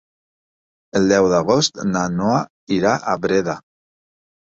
El deu d'agost na Noa irà a Breda.